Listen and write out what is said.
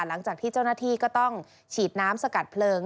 หลังจากที่เจ้าหน้าที่ก็ต้องฉีดน้ำสกัดเพลิง